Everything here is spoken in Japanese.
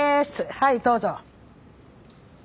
はいどうぞ。